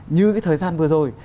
như cái thời gian vừa rồi